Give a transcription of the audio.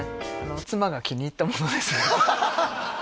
妻が気に入ったものですねハハハハ！